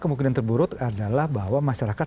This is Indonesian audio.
kemungkinan terburuk adalah bahwa masyarakat